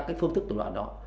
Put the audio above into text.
cái phương thức tội phạm đó